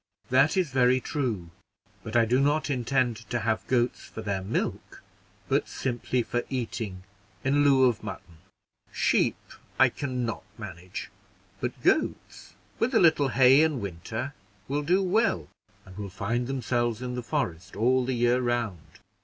"That is very true; but I do not intend to have goats for their milk, but simply for eating in lieu of mutton. Sheep I can not manage, but goats, with a little hay in winter, will do well, and will find themselves in the forest all the year round.